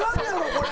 これ。